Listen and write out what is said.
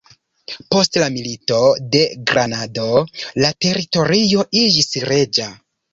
Post la Milito de Granado la teritorio iĝis reĝa.